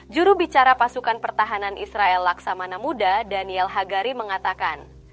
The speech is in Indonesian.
jurubicara pasukan pertahanan israel laksamana muda daniel hagari mengatakan